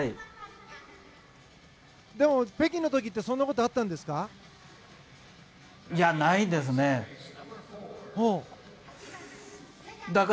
でも、北京の時ってそんなことあったんですか？